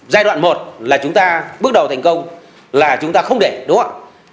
giai đoạn một là chúng ta bước đầu thành công là chúng ta không để đúng không ạ